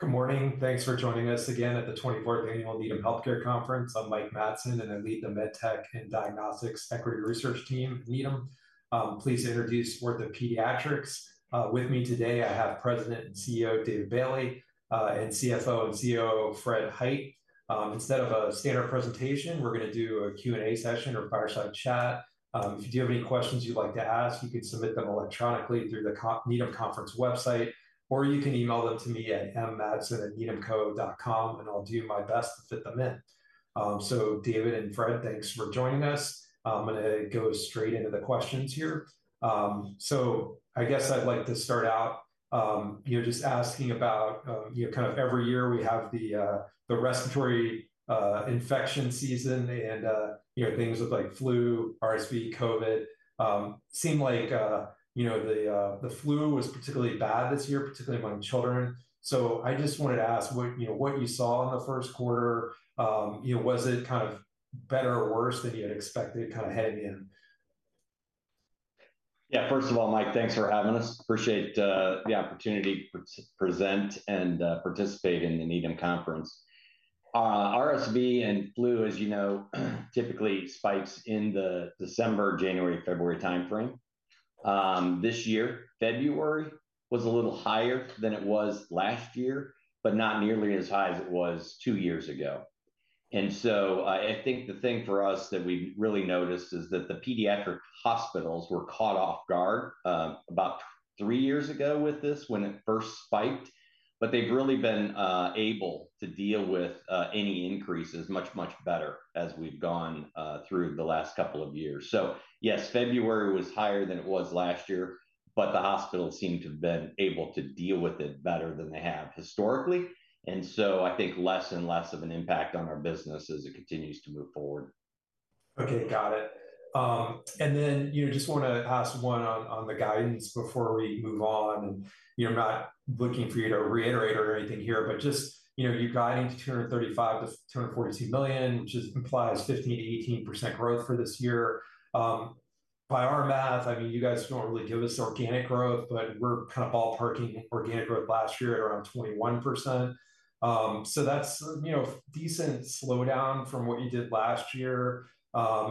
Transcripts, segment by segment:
Good morning. Thanks for joining us again at the 24th Annual Needham Healthcare Conference. I'm Mike Matson, and I lead the MedTech and Diagnostics Equity Research Team at Needham. Please introduce OrthoPediatrics. With me today, I have President and CEO David Bailey and CFO and COO Fred Hite. Instead of a standard presentation, we're going to do a Q&A session or fireside chat. If you do have any questions you'd like to ask, you can submit them electronically through the Needham Conference website, or you can email them to me at mmatson@needhamco.com, and I'll do my best to fit them in. David and Fred, thanks for joining us. I'm going to go straight into the questions here. I guess I'd like to start out, you know, just asking about, you know, kind of every year we have the respiratory infection season and, you know, things like flu, RSV, COVID. Seemed like, you know, the flu was particularly bad this year, particularly among children. I just wanted to ask what, you know, what you saw in the first quarter. You know, was it kind of better or worse than you had expected kind of heading in? Yeah, first of all, Mike, thanks for having us. Appreciate the opportunity to present and participate in the Needham Conference. RSV and flu, as you know, typically spikes in the December, January, February timeframe. This year, February was a little higher than it was last year, but not nearly as high as it was two years ago. I think the thing for us that we really noticed is that the pediatric hospitals were caught off guard about three years ago with this when it first spiked, but they've really been able to deal with any increases much, much better as we've gone through the last couple of years. Yes, February was higher than it was last year, but the hospitals seem to have been able to deal with it better than they have historically. I think less and less of an impact on our business as it continues to move forward. Okay, got it. You know, just want to ask one on the guidance before we move on. You know, I'm not looking for you to reiterate or anything here, but just, you know, you're guiding to $235 million-$242 million, which implies 15%-18% growth for this year. By our math, I mean, you guys don't really give us organic growth, but we're kind of ballparking organic growth last year at around 21%. That's, you know, a decent slowdown from what you did last year.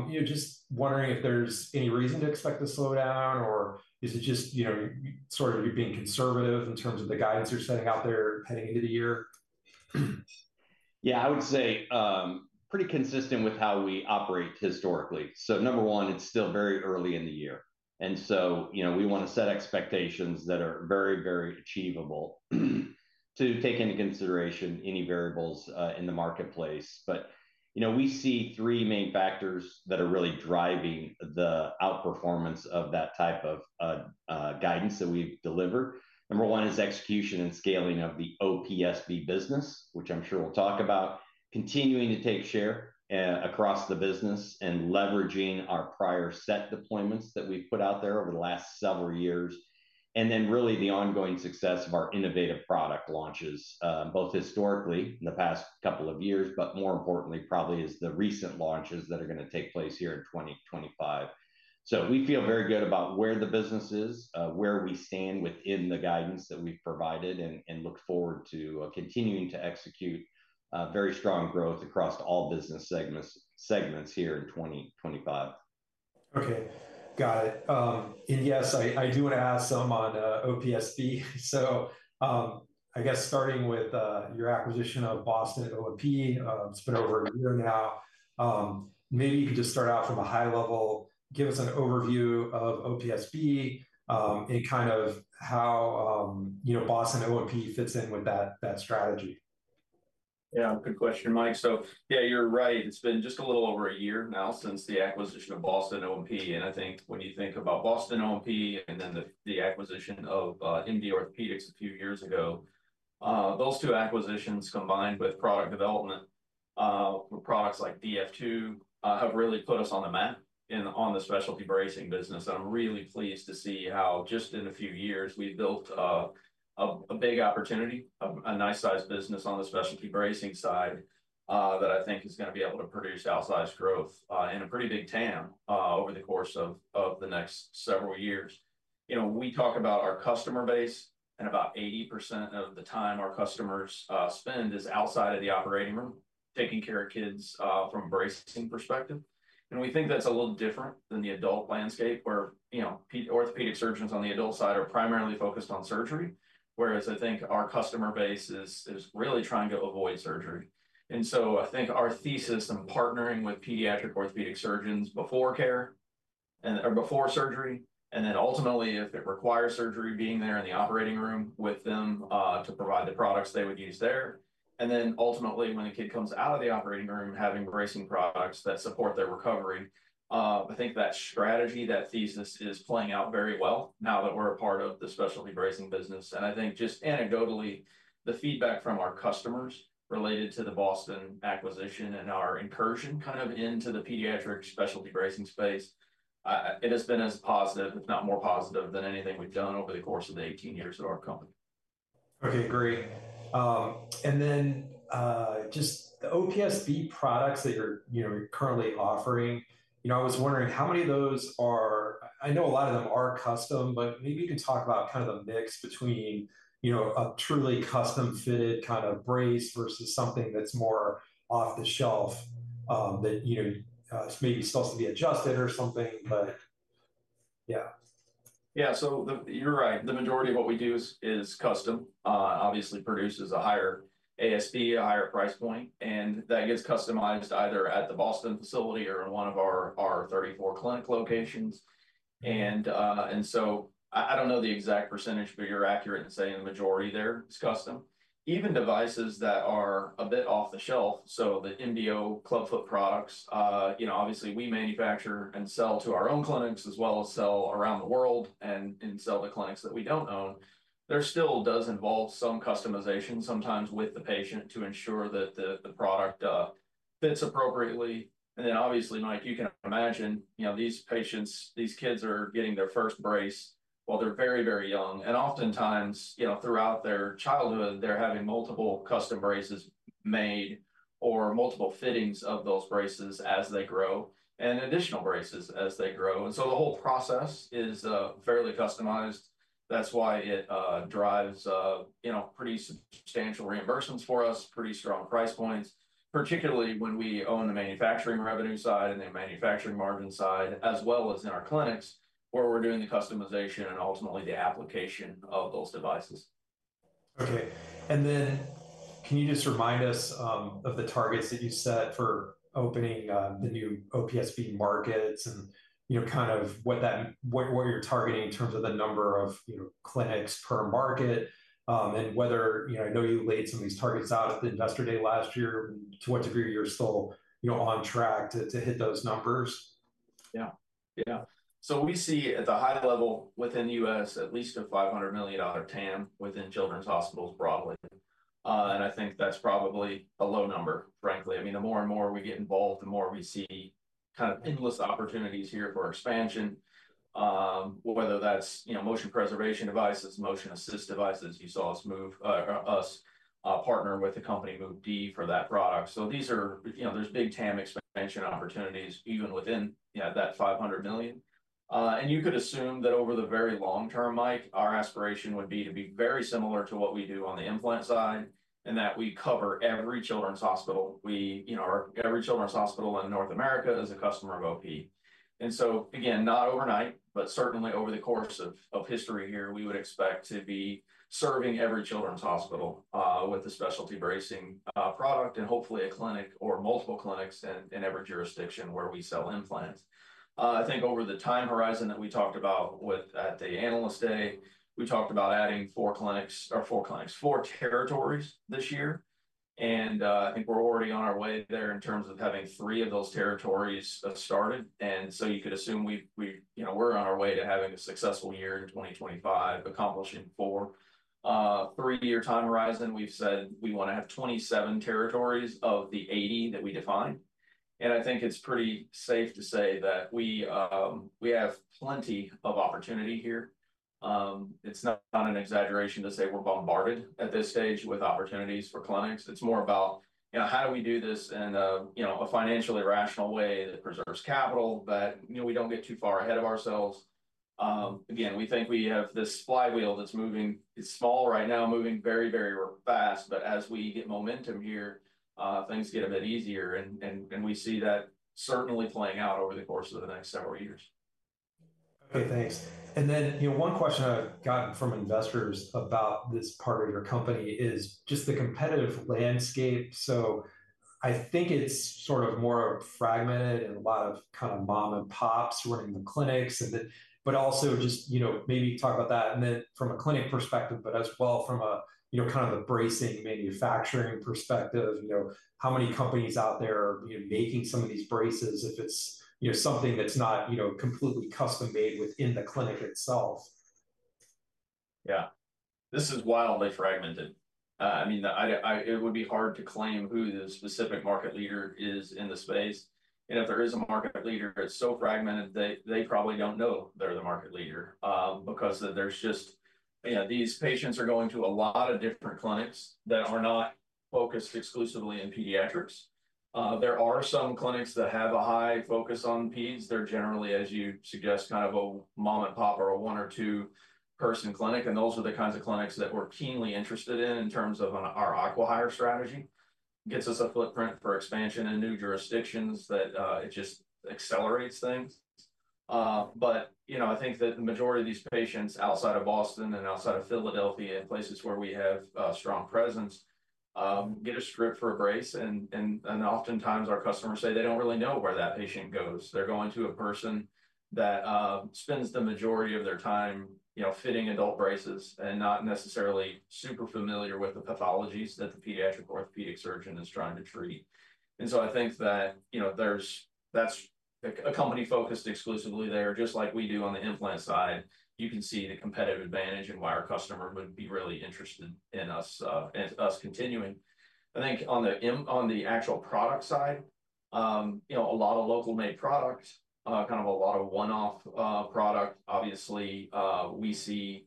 You know, just wondering if there's any reason to expect a slowdown, or is it just, you know, sort of you being conservative in terms of the guidance you're setting out there heading into the year? Yeah, I would say pretty consistent with how we operate historically. Number one, it's still very early in the year. You know, we want to set expectations that are very, very achievable to take into consideration any variables in the marketplace. You know, we see three main factors that are really driving the outperformance of that type of guidance that we've delivered. Number one is execution and scaling of the OPSB business, which I'm sure we'll talk about, continuing to take share across the business and leveraging our prior set deployments that we've put out there over the last several years. Then really the ongoing success of our innovative product launches, both historically in the past couple of years, but more importantly, probably as the recent launches that are going to take place here in 2025. We feel very good about where the business is, where we stand within the guidance that we've provided, and look forward to continuing to execute very strong growth across all business segments here in 2025. Okay, got it. Yes, I do want to ask some on OPSB. I guess starting with your acquisition of Boston O&P, it's been over a year now. Maybe you could just start out from a high level, give us an overview of OPSB and kind of how, you know, Boston O&P fits in with that strategy. Yeah, good question, Mike. Yeah, you're right. It's been just a little over a year now since the acquisition of Boston O&P. I think when you think about Boston O&P and then the acquisition of MD Orthopedics a few years ago, those two acquisitions combined with product development for products like DF2 have really put us on the map and on the specialty bracing business. I'm really pleased to see how just in a few years, we've built a big opportunity, a nice size business on the specialty bracing side that I think is going to be able to produce outsized growth in a pretty big TAM over the course of the next several years. You know, we talk about our customer base and about 80% of the time our customers spend is outside of the operating room taking care of kids from a bracing perspective. We think that's a little different than the adult landscape where, you know, orthopedic surgeons on the adult side are primarily focused on surgery, whereas I think our customer base is really trying to avoid surgery. I think our thesis in partnering with pediatric orthopedic surgeons before care and before surgery, and then ultimately if it requires surgery, being there in the operating room with them to provide the products they would use there. Ultimately, when a kid comes out of the operating room having bracing products that support their recovery, I think that strategy, that thesis is playing out very well now that we're a part of the specialty bracing business. I think just anecdotally, the feedback from our customers related to the Boston O&P acquisition and our incursion kind of into the pediatric specialty bracing space, it has been as positive, if not more positive than anything we've done over the course of the 18 years of our company. Okay, great. Just the OPSB products that you're, you know, currently offering, you know, I was wondering how many of those are, I know a lot of them are custom, but maybe you can talk about kind of the mix between, you know, a truly custom fitted kind of brace versus something that's more off the shelf that, you know, maybe still has to be adjusted or something, but yeah. Yeah, so you're right. The majority of what we do is custom. Obviously, it produces a higher ASP, a higher price point, and that gets customized either at the Boston facility or in one of our 34 clinic locations. I don't know the exact percentage, but you're accurate in saying the majority there is custom. Even devices that are a bit off the shelf, so the MDO clubfoot products, you know, obviously we manufacture and sell to our own clinics as well as sell around the world and sell to clinics that we don't own. There still does involve some customization sometimes with the patient to ensure that the product fits appropriately. Obviously, Mike, you can imagine, you know, these patients, these kids are getting their first brace while they're very, very young. Oftentimes, you know, throughout their childhood, they're having multiple custom braces made or multiple fittings of those braces as they grow and additional braces as they grow. The whole process is fairly customized. That's why it drives, you know, pretty substantial reimbursements for us, pretty strong price points, particularly when we own the manufacturing revenue side and the manufacturing margin side, as well as in our clinics where we're doing the customization and ultimately the application of those devices. Okay. Can you just remind us of the targets that you set for opening the new OPSB markets and, you know, kind of what you're targeting in terms of the number of, you know, clinics per market and whether, you know, I know you laid some of these targets out at the investor day last year. To what degree are you still, you know, on track to hit those numbers? Yeah, yeah. We see at the high level within the U.S., at least a $500 million TAM within children's hospitals broadly. I think that's probably a low number, frankly. I mean, the more and more we get involved, the more we see kind of endless opportunities here for expansion, whether that's, you know, motion preservation devices, motion assist devices. You saw us partner with the company Move-D for that product. These are, you know, there's big TAM expansion opportunities even within, yeah, that $500 million. You could assume that over the very long term, Mike, our aspiration would be to be very similar to what we do on the implant side and that we cover every children's hospital. We, you know, every children's hospital in North America is a customer of OP. Again, not overnight, but certainly over the course of history here, we would expect to be serving every children's hospital with a specialty bracing product and hopefully a clinic or multiple clinics in every jurisdiction where we sell implants. I think over the time horizon that we talked about at the analyst day, we talked about adding four clinics or four territories this year. I think we're already on our way there in terms of having three of those territories started. You could assume we, you know, we're on our way to having a successful year in 2025, accomplishing four. Three-year time horizon, we've said we want to have 27 territories of the 80 that we defined. I think it's pretty safe to say that we have plenty of opportunity here. It's not an exaggeration to say we're bombarded at this stage with opportunities for clinics. It's more about, you know, how do we do this in, you know, a financially rational way that preserves capital, that, you know, we don't get too far ahead of ourselves. Again, we think we have this flywheel that's moving, it's small right now, moving very, very fast, but as we get momentum here, things get a bit easier and we see that certainly playing out over the course of the next several years. Okay, thanks. You know, one question I've gotten from investors about this part of your company is just the competitive landscape. I think it's sort of more fragmented and a lot of kind of mom and pops running the clinics. Also, just, you know, maybe talk about that from a clinic perspective, but as well from a, you know, kind of the bracing manufacturing perspective. You know, how many companies out there are making some of these braces if it's, you know, something that's not, you know, completely custom made within the clinic itself? Yeah, this is wildly fragmented. I mean, it would be hard to claim who the specific market leader is in the space. If there is a market leader that's so fragmented, they probably don't know they're the market leader because there's just, you know, these patients are going to a lot of different clinics that are not focused exclusively in pediatrics. There are some clinics that have a high focus on peds. They're generally, as you suggest, kind of a mom and pop or a one or two person clinic. Those are the kinds of clinics that we're keenly interested in in terms of our aqua hire strategy. Gets us a footprint for expansion in new jurisdictions that it just accelerates things. You know, I think that the majority of these patients outside of Boston and outside of Philadelphia and places where we have a strong presence get a script for a brace. Oftentimes our customers say they don't really know where that patient goes. They're going to a person that spends the majority of their time, you know, fitting adult braces and not necessarily super familiar with the pathologies that the pediatric orthopedic surgeon is trying to treat. I think that, you know, there's a company focused exclusively there, just like we do on the implant side. You can see the competitive advantage and why our customer would be really interested in us continuing. I think on the actual product side, you know, a lot of local-made products, kind of a lot of one-off product. Obviously, we see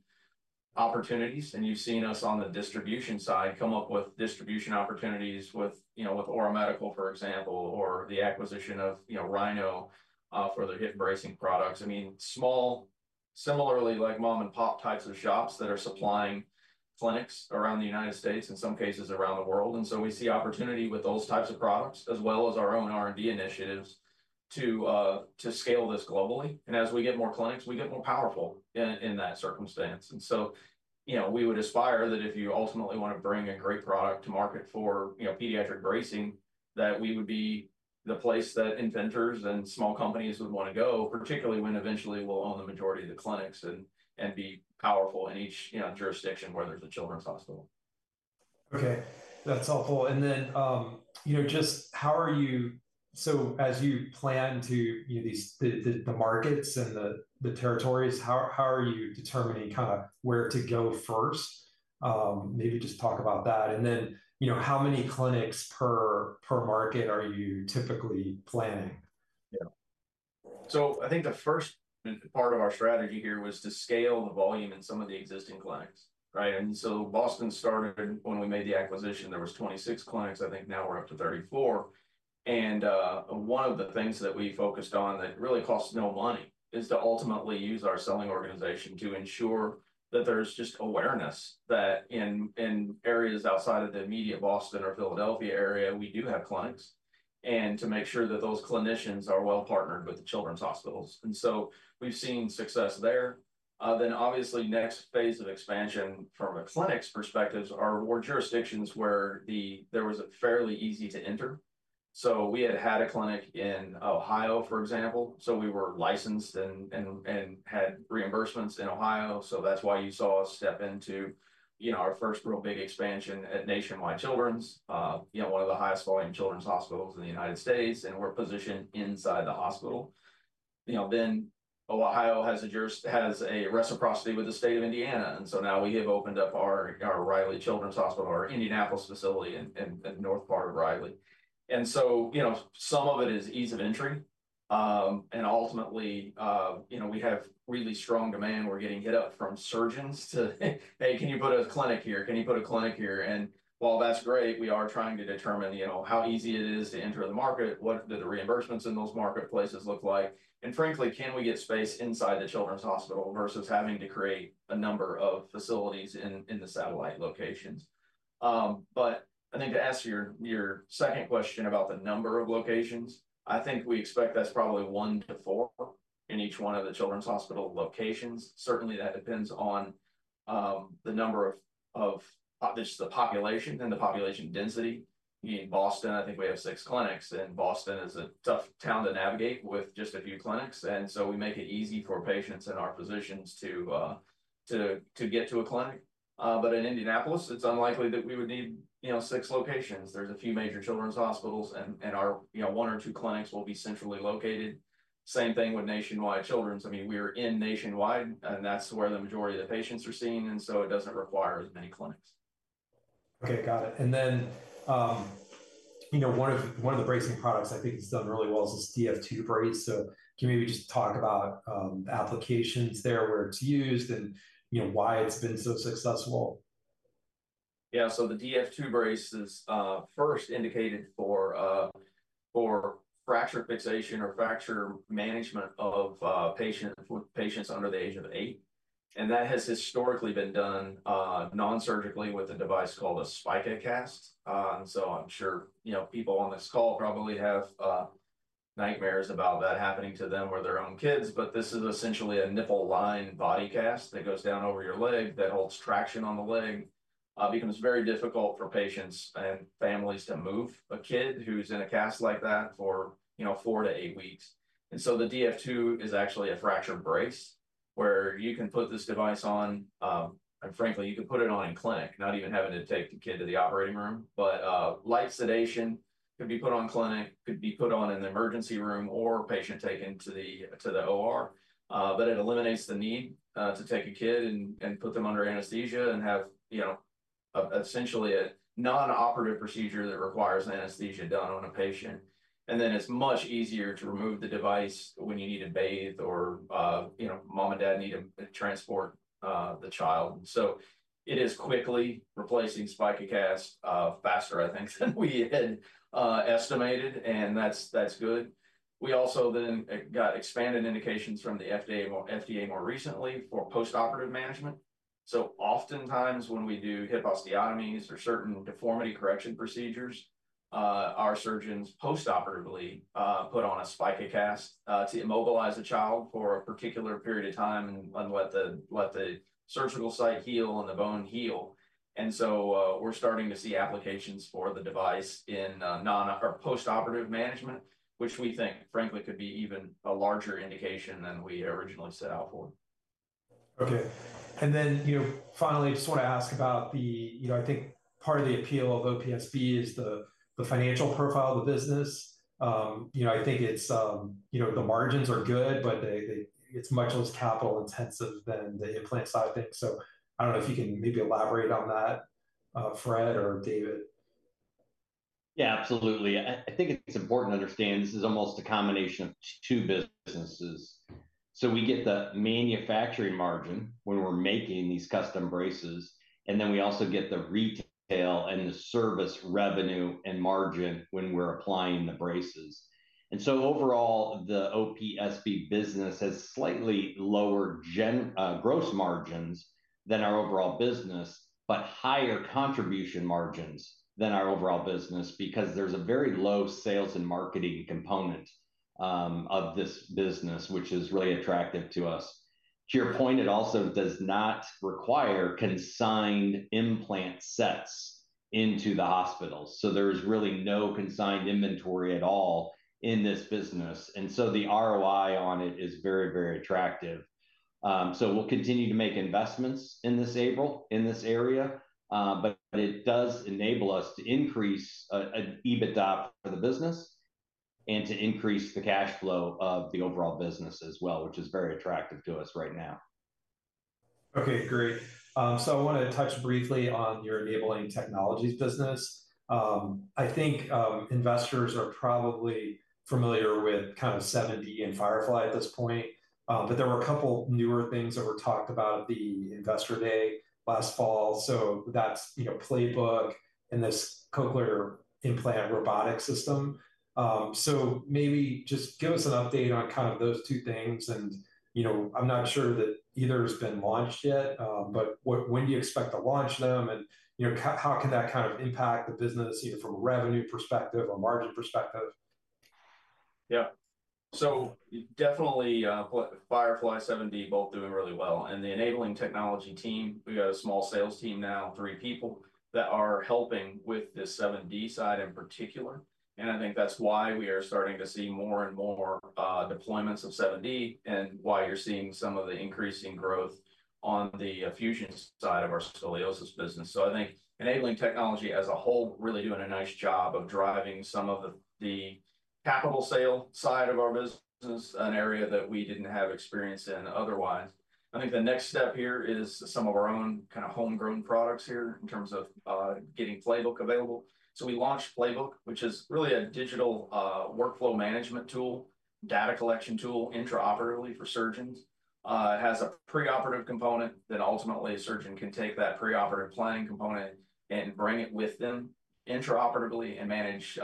opportunities and you've seen us on the distribution side come up with distribution opportunities with, you know, with Ora Medical, for example, or the acquisition of, you know, Rhino for their hip bracing products. I mean, small, similarly like mom and pop types of shops that are supplying clinics around the United States, in some cases around the world. We see opportunity with those types of products as well as our own R&D initiatives to scale this globally. As we get more clinics, we get more powerful in that circumstance. You know, we would aspire that if you ultimately want to bring a great product to market for, you know, pediatric bracing, that we would be the place that inventors and small companies would want to go, particularly when eventually we'll own the majority of the clinics and be powerful in each, you know, jurisdiction where there's a children's hospital. Okay, that's helpful. You know, just how are you, as you plan to, you know, the markets and the territories, how are you determining kind of where to go first? Maybe just talk about that. You know, how many clinics per market are you typically planning? Yeah. I think the first part of our strategy here was to scale the volume in some of the existing clinics, right? Boston started when we made the acquisition, there were 26 clinics. I think now we're up to 34. One of the things that we focused on that really costs no money is to ultimately use our selling organization to ensure that there's just awareness that in areas outside of the immediate Boston or Philadelphia area, we do have clinics and to make sure that those clinicians are well partnered with the children's hospitals. We've seen success there. Obviously, the next phase of expansion from a clinic's perspective is more jurisdictions where it was fairly easy to enter. We had a clinic in Ohio, for example. We were licensed and had reimbursements in Ohio. That is why you saw us step into, you know, our first real big expansion at Nationwide Children's, you know, one of the highest volume children's hospitals in the United States. We are positioned inside the hospital. You know, then Ohio has a reciprocity with the state of Indiana. Now we have opened up our Riley Children's Hospital, our Indianapolis facility in the north part of Riley. You know, some of it is ease of entry. Ultimately, you know, we have really strong demand. We're getting hit up from surgeons to, "Hey, can you put a clinic here? Can you put a clinic here?" While that's great, we are trying to determine, you know, how easy it is to enter the market, what do the reimbursements in those marketplaces look like? Frankly, can we get space inside the children's hospital versus having to create a number of facilities in the satellite locations? I think to ask your second question about the number of locations, I think we expect that's probably one to four in each one of the children's hospital locations. Certainly, that depends on the number of just the population and the population density. In Boston, I think we have six clinics. Boston is a tough town to navigate with just a few clinics. We make it easy for patients and our physicians to get to a clinic. In Indianapolis, it's unlikely that we would need, you know, six locations. There's a few major children's hospitals and our, you know, one or two clinics will be centrally located. Same thing with Nationwide Children's. I mean, we are in Nationwide and that's where the majority of the patients are seen. It doesn't require as many clinics. Okay, got it. You know, one of the bracing products I think has done really well is this DF2 brace. Can you maybe just talk about applications there where it's used and, you know, why it's been so successful? Yeah, so the DF2 brace is first indicated for fracture fixation or fracture management of patients under the age of eight. That has historically been done nonsurgically with a device called a Spica cast. I'm sure, you know, people on this call probably have nightmares about that happening to them or their own kids. This is essentially a nipple line body cast that goes down over your leg that holds traction on the leg. It becomes very difficult for patients and families to move a kid who's in a cast like that for, you know, four to eight weeks. The DF2 is actually a fracture brace where you can put this device on. Frankly, you can put it on in clinic, not even having to take the kid to the operating room. Light sedation could be put on clinic, could be put on in the emergency room or patient taken to the OR. It eliminates the need to take a kid and put them under anesthesia and have, you know, essentially a non-operative procedure that requires anesthesia done on a patient. It is much easier to remove the device when you need to bathe or, you know, mom and dad need to transport the child. It is quickly replacing Spica cast faster, I think, than we had estimated. That is good. We also then got expanded indications from the FDA more recently for postoperative management. Oftentimes when we do hip osteotomies or certain deformity correction procedures, our surgeons postoperatively put on a Spica cast to immobilize the child for a particular period of time and let the surgical site heal and the bone heal. We're starting to see applications for the device in non- or postoperative management, which we think frankly could be even a larger indication than we originally set out for. Okay. And then, you know, finally, I just want to ask about the, you know, I think part of the appeal of OPSB is the financial profile of the business. You know, I think it's, you know, the margins are good, but it's much less capital intensive than the implant side, I think. I don't know if you can maybe elaborate on that, Fred or David. Yeah, absolutely. I think it's important to understand this is almost a combination of two businesses. We get the manufacturing margin when we're making these custom braces. We also get the retail and the service revenue and margin when we're applying the braces. Overall, the OPSB business has slightly lower gross margins than our overall business, but higher contribution margins than our overall business because there's a very low sales and marketing component of this business, which is really attractive to us. To your point, it also does not require consigned implant sets into the hospitals. There is really no consigned inventory at all in this business. The ROI on it is very, very attractive. We'll continue to make investments in this area, but it does enable us to increase EBITDA for the business and to increase the cash flow of the overall business as well, which is very attractive to us right now. Okay, great. I want to touch briefly on your enabling technologies business. I think investors are probably familiar with kind of 7D and Firefly at this point. There were a couple newer things that were talked about at the investor day last fall. That is, you know, Playbook and this cochlear implant robotic system. Maybe just give us an update on kind of those two things. You know, I'm not sure that either has been launched yet, but when do you expect to launch them? You know, how can that kind of impact the business, you know, from a revenue perspective or margin perspective? Yeah. Definitely Firefly and 7D, both doing really well. The enabling technology team, we got a small sales team now, three people that are helping with this 7D side in particular. I think that's why we are starting to see more and more deployments of 7D and why you're seeing some of the increasing growth on the fusion side of our scoliosis business. I think enabling technology as a whole really doing a nice job of driving some of the capital sale side of our business, an area that we didn't have experience in otherwise. I think the next step here is some of our own kind of homegrown products here in terms of getting Playbook available. We launched Playbook, which is really a digital workflow management tool, data collection tool intraoperatively for surgeons. It has a preoperative component that ultimately a surgeon can take that preoperative planning component and bring it with them intraoperatively and manage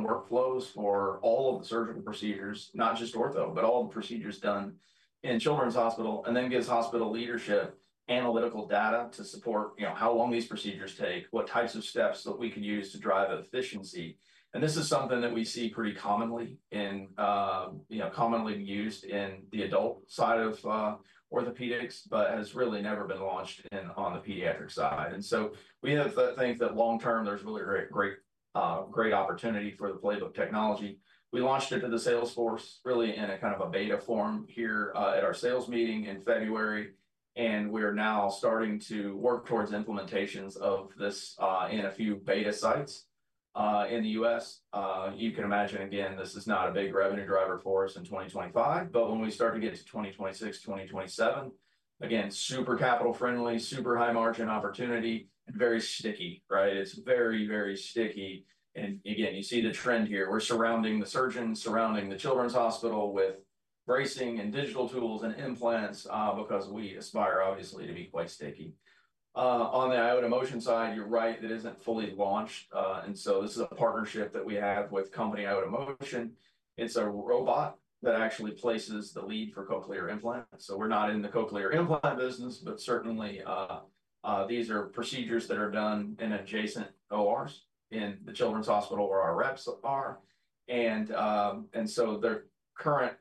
workflows for all of the surgical procedures, not just ortho but all the procedures done in children's hospital and then gives hospital leadership analytical data to support, you know, how long these procedures take, what types of steps that we can use to drive efficiency. This is something that we see pretty commonly in, you know, commonly used in the adult side of orthopedics, but has really never been launched on the pediatric side. We have to think that long term there's really great opportunity for the Playbook technology. We launched it to the sales force really in a kind of a beta form here at our sales meeting in February. We are now starting to work towards implementations of this in a few beta sites in the U.S. You can imagine again, this is not a big revenue driver for us in 2025, but when we start to get to 2026, 2027, again, super capital friendly, super high margin opportunity, very sticky, right? It's very, very sticky. You see the trend here. We're surrounding the surgeons, surrounding the children's hospital with bracing and digital tools and implants because we aspire obviously to be quite sticky. On the iotaMotion side, you're right, it isn't fully launched. This is a partnership that we have with company iotaMotion. It's a robot that actually places the lead for cochlear implants. We're not in the cochlear implant business, but certainly these are procedures that are done in adjacent ORs in the children's hospital where our reps are. Their current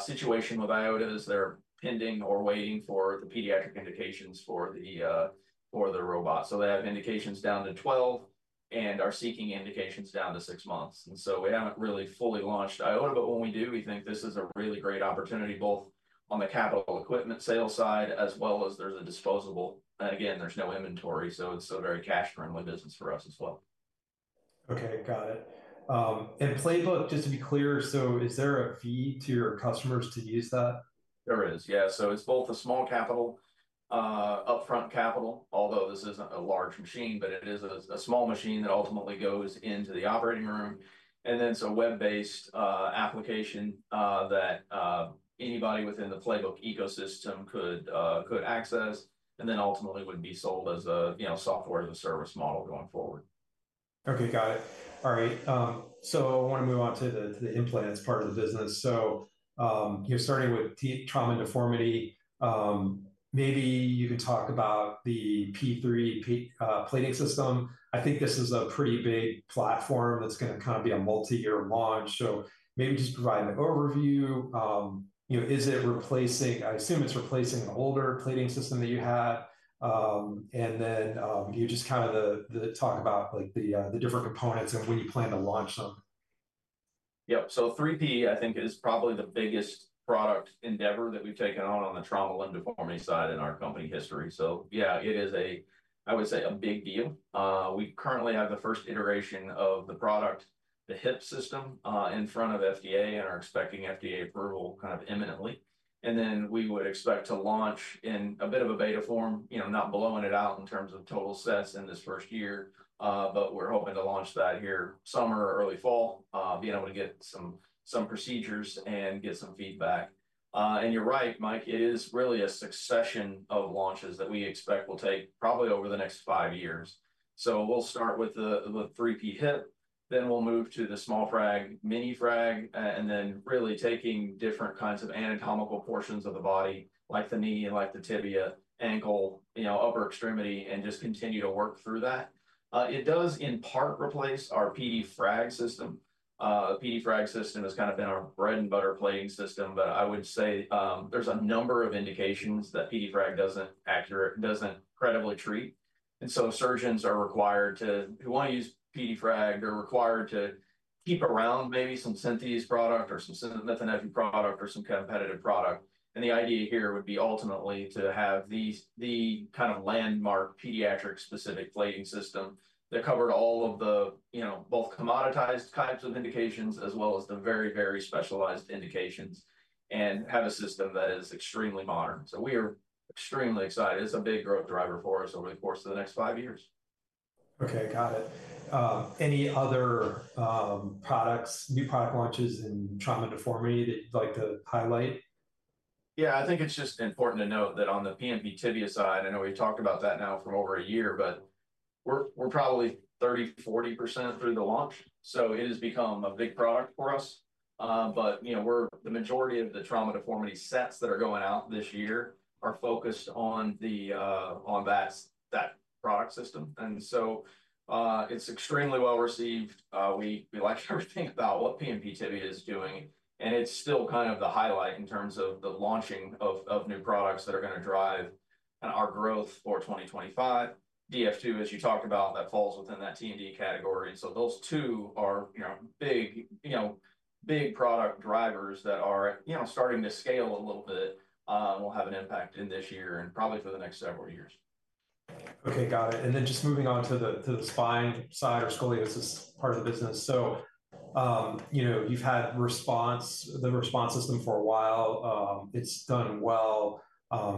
situation with iota is they're pending or waiting for the pediatric indications for the robot. They have indications down to 12 and are seeking indications down to six months. We haven't really fully launched iota, but when we do, we think this is a really great opportunity both on the capital equipment sale side as well as there's a disposable. Again, there's no inventory. It's a very cash friendly business for us as well. Okay, got it. Playbook, just to be clear, so is there a fee to your customers to use that? There is. Yeah. So, it's both a small capital upfront capital, although this isn't a large machine, but it is a small machine that ultimately goes into the operating room. And then, so web-based application that anybody within the Playbook ecosystem could access and then ultimately would be sold as a, you know, software as a service model going forward. Okay, got it. All right. I want to move on to the implants part of the business. You know, starting with trauma and deformity, maybe you can talk about the P3 plating system. I think this is a pretty big platform that's going to kind of be a multi-year launch. Maybe just provide an overview. You know, is it replacing, I assume it's replacing an older plating system that you had. Then you just kind of talk about like the different components and when you plan to launch them. Yep. 3P, I think, is probably the biggest product endeavor that we've taken on on the trauma and deformity side in our company history. Yeah, it is a, I would say, a big deal. We currently have the first iteration of the product, the hip system, in front of FDA and are expecting FDA approval kind of imminently. We would expect to launch in a bit of a beta form, you know, not blowing it out in terms of total sets in this first year, but we're hoping to launch that here summer, early fall, being able to get some procedures and get some feedback. You're right, Mike, it is really a succession of launches that we expect will take probably over the next five years. We'll start with the 3P Hip, then we'll move to the small frag, mini frag, and then really taking different kinds of anatomical portions of the body like the knee and like the tibia, ankle, you know, upper extremity and just continue to work through that. It does in part replace our PediFrag System. PediFrag System has kind of been our bread and butter plating system, but I would say there's a number of indications that PediFrag doesn't accurately, doesn't credibly treat. And so, surgeons are required to, who want to use PediFrag, they're required to keep around maybe some Synthes product or some competitive product. The idea here would be ultimately to have the kind of landmark pediatric specific plating system that covered all of the, you know, both commoditized types of indications as well as the very, very specialized indications and have a system that is extremely modern. We are extremely excited. It's a big growth driver for us over the course of the next five years. Okay, got it. Any other products, new product launches in Trauma and Deformity that you'd like to highlight? Yeah, I think it's just important to note that on the PNP tibia side, I know we've talked about that now for over a year, but we're probably 30%-40% through the launch. It has become a big product for us. You know, the majority of the trauma and deformity sets that are going out this year are focused on that product system. It's extremely well received. We like everything about what PNP tibia is doing. It's still kind of the highlight in terms of the launching of new products that are going to drive our growth for 2025. DF2, as you talked about, that falls within that T&D category. Those two are, you know, big, you know, big product drivers that are, you know, starting to scale a little bit and will have an impact in this year and probably for the next several years. Okay, got it. Just moving on to the spine side or scoliosis part of the business. You know, you've had RESPONSE, the RESPONSE System for a while. It's done well.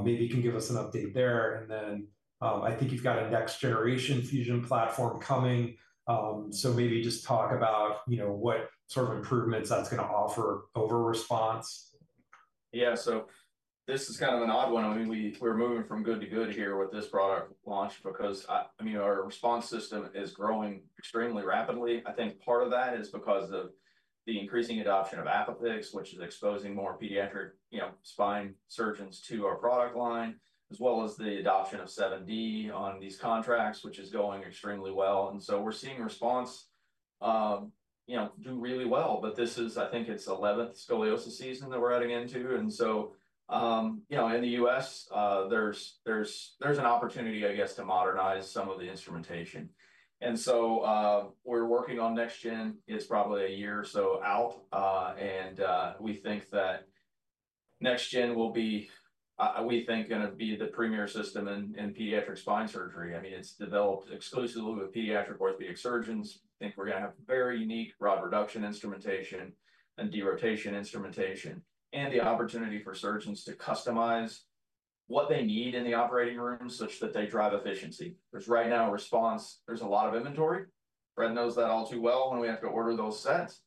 Maybe you can give us an update there. I think you've got a next generation fusion platform coming. Maybe just talk about, you know, what sort of improvements that's going to offer over RESPONSE? Yeah. This is kind of an odd one. I mean, we're moving from good to good here with this product launch because, I mean, our RESPONSE System is growing extremely rapidly. I think part of that is because of the increasing adoption of ApiFix, which is exposing more pediatric, you know, spine surgeons to our product line, as well as the adoption of 7D on these contracts, which is going extremely well. We're seeing RESPONSE, you know, do really well, but this is, I think it's the 11th scoliosis season that we're heading into. You know, in the U.S., there's an opportunity, I guess, to modernize some of the instrumentation. We're working on next gen. It's probably a year or so out. We think that next gen will be, we think, going to be the premier system in pediatric spine surgery. I mean, it's developed exclusively with pediatric orthopedic surgeons. I think we're going to have very unique rod reduction instrumentation and derotation instrumentation and the opportunity for surgeons to customize what they need in the operating room such that they drive efficiency. There's right now RESPONSE, there's a lot of inventory. Fred knows that all too well when we have to order those sets.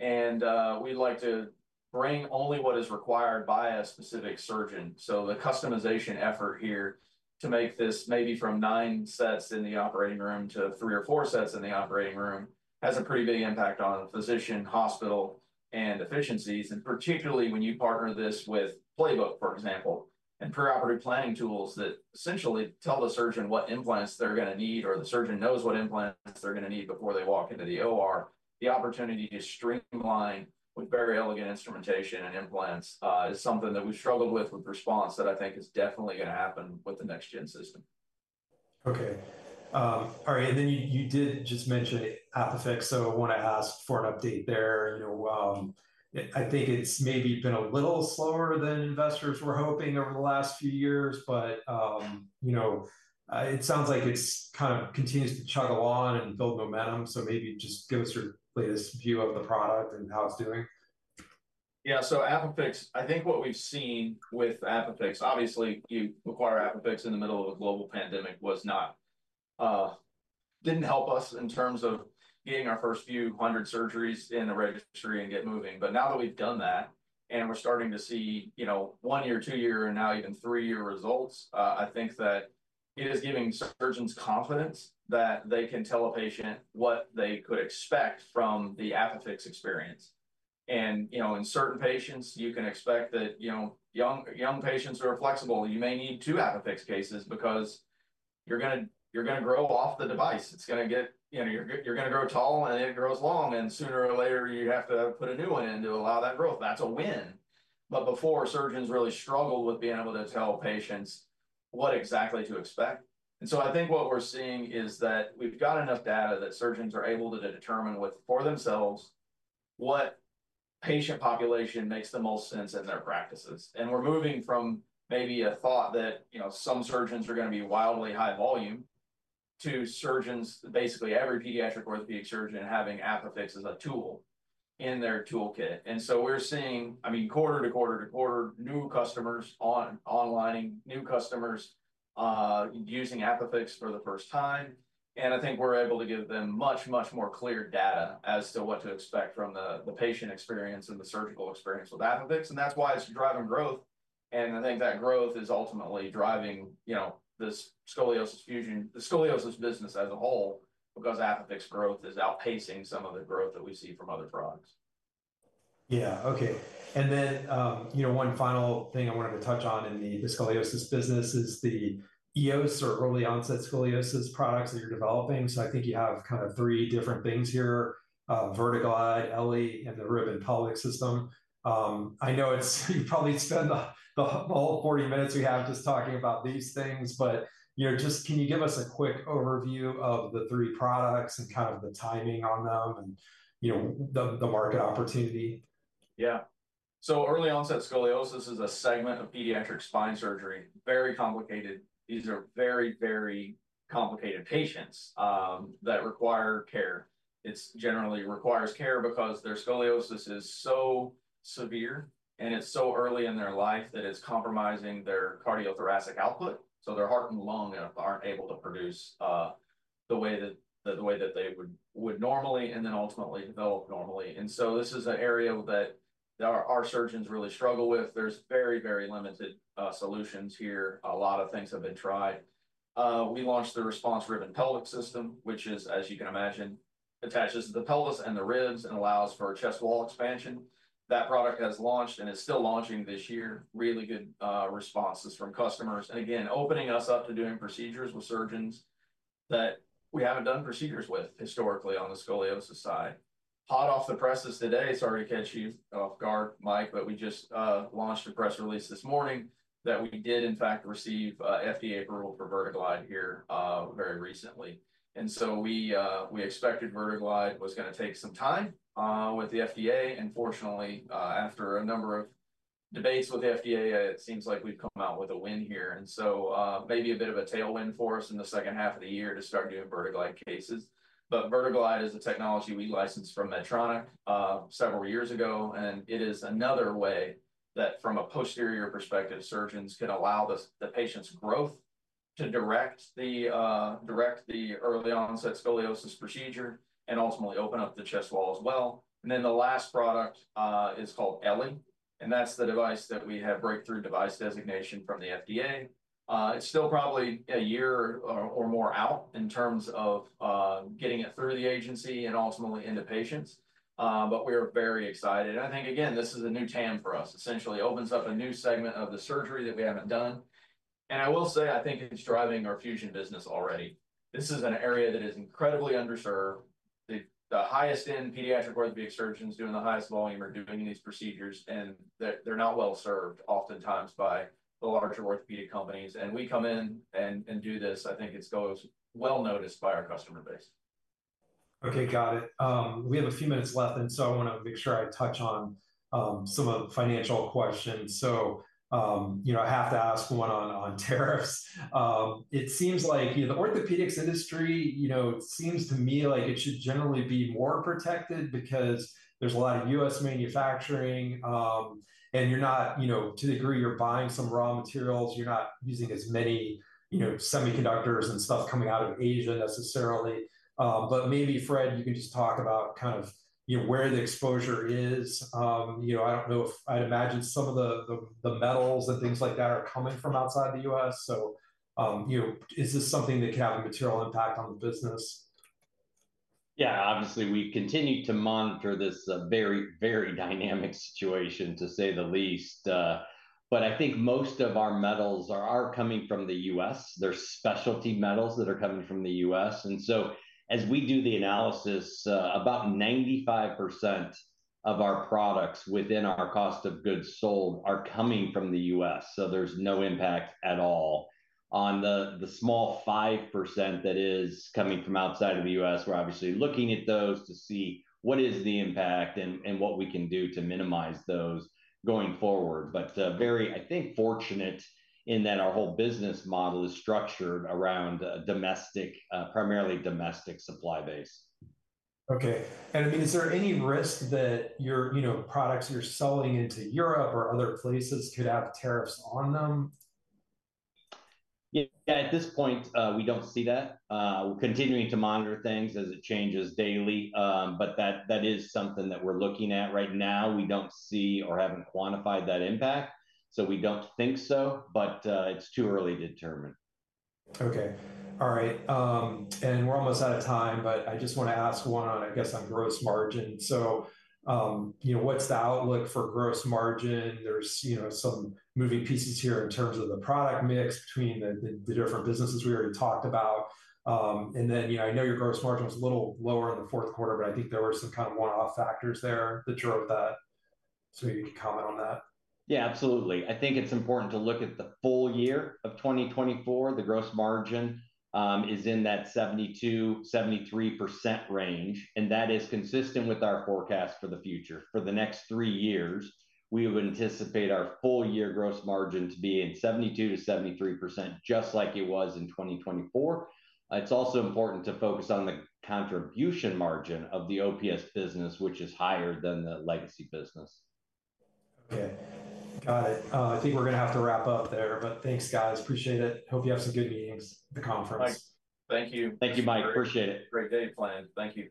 We'd like to bring only what is required by a specific surgeon. The customization effort here to make this maybe from nine sets in the operating room to three or four sets in the operating room has a pretty big impact on physician, hospital, and efficiencies. Particularly when you partner this with Playbook, for example, and preoperative planning tools that essentially tell the surgeon what implants they're going to need or the surgeon knows what implants they're going to need before they walk into the OR, the opportunity to streamline with very elegant instrumentation and implants is something that we've struggled with with RESPONSE that I think is definitely going to happen with the next gen system. Okay. All right. You did just mention ApiFix. I want to ask for an update there. You know, I think it's maybe been a little slower than investors were hoping over the last few years, but, you know, it sounds like it kind of continues to chug along and build momentum. Maybe just give us your latest view of the product and how it's doing. Yeah. ApiFix, I think what we've seen with ApiFix, obviously you acquire ApiFix in the middle of a global pandemic was not, didn't help us in terms of getting our first few hundred surgeries in the registry and get moving. Now that we've done that and we're starting to see, you know, one year, two year, and now even three year results, I think that it is giving surgeons confidence that they can tell a patient what they could expect from the ApiFix experience. You know, in certain patients, you can expect that, you know, young patients who are flexible, you may need two ApiFix cases because you're going to grow off the device. It's going to get, you know, you're going to grow tall and it grows long and sooner or later you have to put a new one in to allow that growth. That's a win. Before, surgeons really struggled with being able to tell patients what exactly to expect. I think what we're seeing is that we've got enough data that surgeons are able to determine for themselves what patient population makes the most sense in their practices. We're moving from maybe a thought that, you know, some surgeons are going to be wildly high volume to surgeons, basically every pediatric orthopedic surgeon having ApiFix as a tool in their toolkit. We're seeing, I mean, quarter to quarter to quarter new customers online, new customers using ApiFix for the first time. I think we're able to give them much, much more clear data as to what to expect from the patient experience and the surgical experience with ApiFix. That's why it's driving growth. I think that growth is ultimately driving, you know, this scoliosis fusion, the scoliosis business as a whole because ApiFix growth is outpacing some of the growth that we see from other products. Yeah. Okay. And then, you know, one final thing I wanted to touch on in the scoliosis business is the EOS or early onset scoliosis products that you're developing. I think you have kind of three different things here, VerteGlide, eLLi, and the Rib and Pelvic system. I know it's, you probably spent the whole 40 minutes we have just talking about these things, but, you know, just can you give us a quick overview of the three products and kind of the timing on them and, you know, the market opportunity? Yeah. Early onset scoliosis is a segment of pediatric spine surgery, very complicated. These are very, very complicated patients that require care. It generally requires care because their scoliosis is so severe and it's so early in their life that it's compromising their cardiothoracic output. Their heart and lung aren't able to produce the way that they would normally and then ultimately develop normally. This is an area that our surgeons really struggle with. There are very, very limited solutions here. A lot of things have been tried. We launched the RESPONSE Rib and Pelvic System, which is, as you can imagine, attaches to the pelvis and the ribs and allows for chest wall expansion. That product has launched and is still launching this year. Really good responses from customers. Again, opening us up to doing procedures with surgeons that we have not done procedures with historically on the scoliosis side. Hot off the presses today, sorry to catch you off guard, Mike, but we just launched a press release this morning that we did in fact receive FDA approval for VerteGlide here very recently. We expected VerteGlide was going to take some time with the FDA. Fortunately, after a number of debates with the FDA, it seems like we have come out with a win here. Maybe a bit of a tailwind for us in the second half of the year to start doing VerteGlide cases. VerteGlide is a technology we licensed from Medtronic several years ago. It is another way that from a posterior perspective, surgeons can allow the patient's growth to direct the early onset scoliosis procedure and ultimately open up the chest wall as well. The last product is called eLLi. That is the device that we have breakthrough device designation from the FDA. It is still probably a year or more out in terms of getting it through the agency and ultimately into patients. We are very excited. I think, again, this is a new TAM for us. Essentially, it opens up a new segment of the surgery that we have not done. I will say, I think it is driving our fusion business already. This is an area that is incredibly underserved. The highest end pediatric orthopedic surgeons doing the highest volume are doing these procedures and they are not well served oftentimes by the larger orthopedic companies. We come in and do this, I think it goes well noticed by our customer base. Okay, got it. We have a few minutes left. I want to make sure I touch on some of the financial questions. You know, I have to ask one on tariffs. It seems like, you know, the orthopedics industry, you know, it seems to me like it should generally be more protected because there's a lot of U.S. manufacturing and you're not, you know, to the degree you're buying some raw materials, you're not using as many, you know, semiconductors and stuff coming out of Asia necessarily. Maybe Fred, you can just talk about kind of, you know, where the exposure is. You know, I don't know if I'd imagine some of the metals and things like that are coming from outside the U.S. You know, is this something that can have a material impact on the business? Yeah, obviously we continue to monitor this very, very dynamic situation to say the least. I think most of our metals are coming from the U.S. They're specialty metals that are coming from the U.S. As we do the analysis, about 95% of our products within our cost of goods sold are coming from the U.S. There's no impact at all. On the small 5% that is coming from outside of the U.S., we're obviously looking at those to see what is the impact and what we can do to minimize those going forward. I think we are very fortunate in that our whole business model is structured around a domestic, primarily domestic supply base. Okay. I mean, is there any risk that your, you know, products you're selling into Europe or other places could have tariffs on them? Yeah, at this point, we don't see that. We're continuing to monitor things as it changes daily. That is something that we're looking at right now. We don't see or haven't quantified that impact. We don't think so, but it's too early to determine. Okay. All right. We're almost out of time, but I just want to ask one on, I guess, on gross margin. You know, what's the outlook for gross margin? There's, you know, some moving pieces here in terms of the product mix between the different businesses we already talked about. You know, I know your gross margin was a little lower in the fourth quarter, but I think there were some kind of one-off factors there that drove that. You can comment on that. Yeah, absolutely. I think it's important to look at the full year of 2024. The gross margin is in that 72%-73% range. That is consistent with our forecast for the future. For the next three years, we would anticipate our full year gross margin to be in 72%-73%, just like it was in 2024. It's also important to focus on the contribution margin of the OPSB business, which is higher than the legacy business. Okay. Got it. I think we're going to have to wrap up there, but thanks, guys. Appreciate it. Hope you have some good meetings at the conference. Thank you. Thank you, Mike. Appreciate it. Great day planned. Thank you.